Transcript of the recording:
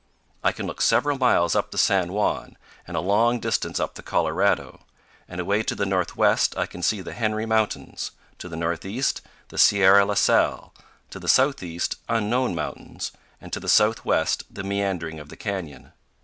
I can look several miles up the San Juan, and a long distance up the Colorado; and away to the northwest I can see the Henry Mountains; to the northeast, the Sierra La Sal; to the southeast, unknown mountains; and to the southwest, the meandering of the canyon.